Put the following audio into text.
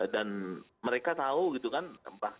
dan mereka tahu bahkan sudah ada di mana lokasi yang berada